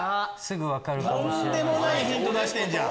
とんでもないヒント出してんじゃん！